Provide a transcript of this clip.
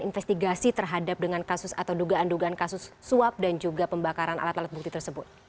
investigasi terhadap dengan kasus atau dugaan dugaan kasus suap dan juga pembakaran alat alat bukti tersebut